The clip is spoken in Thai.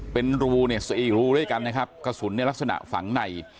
เป็นรูซีอีกรูด้วยกันนะครับกระสุนลักษณะฝังใน